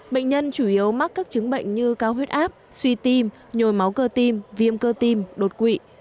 bệnh nhân chủ yếu mắc các chứng bệnh như cao huyết áp suy tim nhồi máu cơ tim viêm cơ tim đột quỵ